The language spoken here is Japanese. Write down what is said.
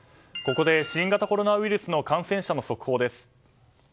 ここで新型コロナウイルスの感染者の速報です。